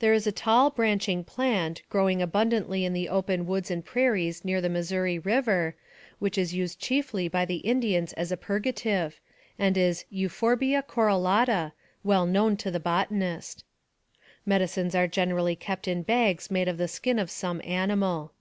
There is a tall, branching plant, growing abundantly in the open woods and prairies near the Missouri River, which is used chiefly by the Indians as a purgative, and is euphorbia corrallata, well known to the botanist. Medicines are generally kept in bags made of the skin of some animal.